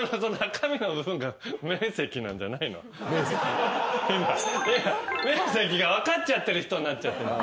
面積が分かっちゃってる人になっちゃってる。